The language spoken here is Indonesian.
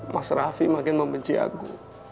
mas raffi makin membenci aku